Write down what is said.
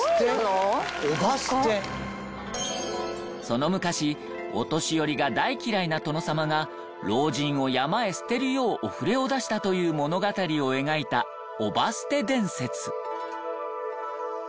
その昔お年寄りが大嫌いな殿様が老人を山へ捨てるようお触れを出したという物語を描いた「姨捨伝説」。